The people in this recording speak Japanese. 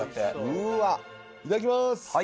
うわいただきます！